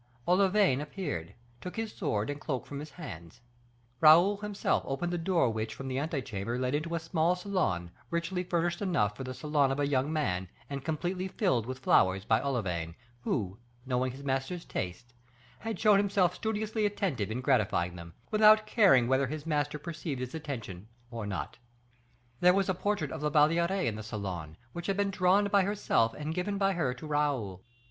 Olivain appeared, took his sword and cloak from his hands; Raoul himself opened the door which, from the ante chamber, led into a small salon, richly furnished enough for the salon of a young man, and completely filled with flowers by Olivain, who, knowing his master's tastes, had shown himself studiously attentive in gratifying them, without caring whether his master perceived his attention or not. There was a portrait of La Valliere in the salon, which had been drawn by herself and given by her to Raoul.